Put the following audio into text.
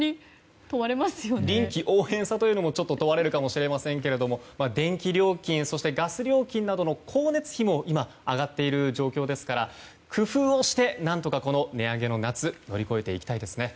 臨機応変さというものが問われるかもしれませんが電気料金そしてガス料金などの光熱費も今、上がっている状況ですから工夫をして値上げの夏を乗り越えていきたいですね。